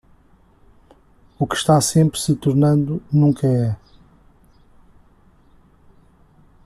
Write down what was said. O que está sempre se tornando, nunca é.